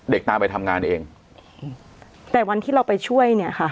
ตามไปทำงานเองแต่วันที่เราไปช่วยเนี่ยค่ะ